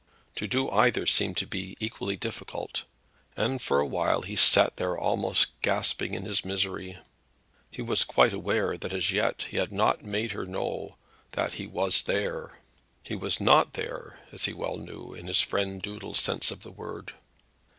To do either seemed to be equally difficult, and for a while he sat there almost gasping in his misery. He was quite aware that as yet he had not made her know that he was there. He was not there, as he well knew, in his friend Doodles' sense of the word.